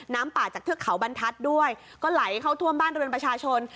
น้ำป่าจากเทือกเขาบรรทัศน์ด้วยก็ไหลเข้าท่วมบ้านเรือนประชาชน